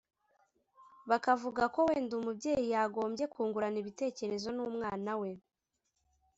bakavuga ko wenda umubyeyi yagombye kungurana ibitekerezo n’umwana we